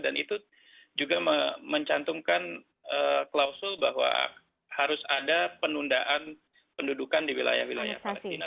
dan itu juga mencantumkan klausul bahwa harus ada penundaan pendudukan di wilayah wilayah palestina